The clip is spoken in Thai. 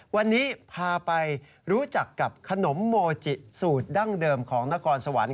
วันนี้พาไปรู้จักกับขนมโมจิสูตรดั้งเดิมของนครสวรรค์